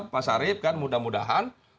pak sari mudah mudahan